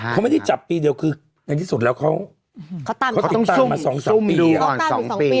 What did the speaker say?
เขาไม่ได้จับปีเดียวคือในที่สุดแล้วเขาติดตามมา๒๓ปี๒ปี